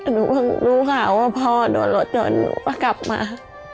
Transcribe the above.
เพิ่งรู้ข่าวว่าพ่อโดนรถยนต์หนูก็กลับมา